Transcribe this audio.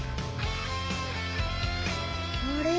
あれ？